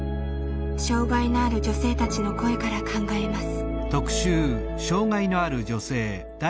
障害のある女性たちの声から考えます。